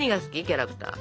キャラクター。